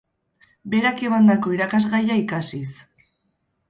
Berak emandako irakasgaia ikasiz.